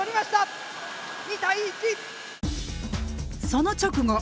その直後。